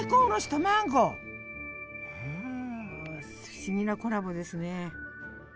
不思議なコラボですね。